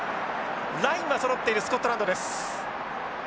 ラインはそろっているスコットランドです。